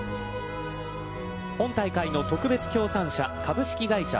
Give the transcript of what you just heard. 本大会の特別協賛社株式会社